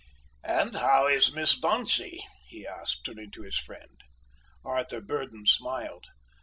"And how is Miss Dauncey?" he asked, turning to his friend. Arthur Burdon smiled.